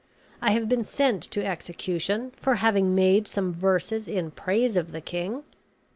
I have been sent to execution for having made some verses in praise of the king.